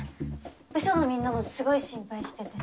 部署のみんなもすごい心配してて。